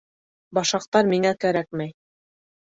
Башаҡтар миңә кәрәкмәй.